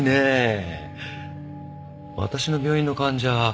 私の病院の患者